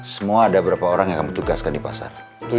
semua ada berapa orang yang kamu tugaskan di pasar